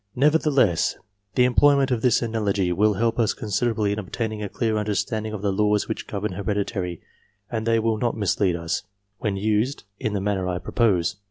Never theless the employment of this analogy will help us con siderably in obtaining a clear understanding of the laws which govern heredity, and they will not mislead us when used in the manner I propose.